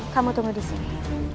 kamu tunggu disini